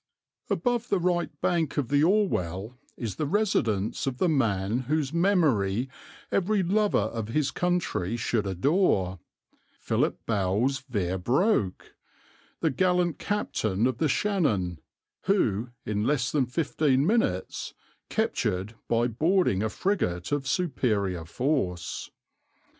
Above the right bank of the Orwell is the residence of the man whose memory every lover of his country should adore Philip Bowes Vere Broke the gallant captain of the Shannon, who, in less than fifteen minutes captured by boarding a frigate of superior force.